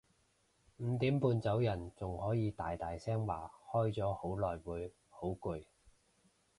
五點半走人仲可以大大聲話開咗好耐會好攰